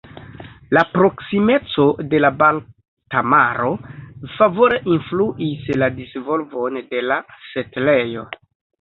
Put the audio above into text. La proksimeco de la Balta Maro favore influis la disvolvon de la setlejo.